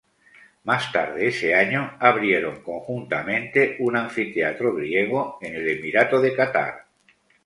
Más tarde ese año, abrieron conjuntamente un anfiteatro griego en el Emirato de Qatar.